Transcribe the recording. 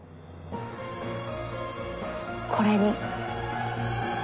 これに。